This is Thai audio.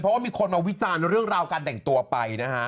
เพราะว่ามีคนมาวิจารณ์เรื่องราวการแต่งตัวไปนะฮะ